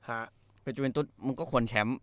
คือจิวล์วินตุ๊ดมึงก็ควรแชมป์